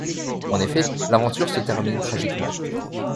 En effet, l'aventure se termine tragiquement.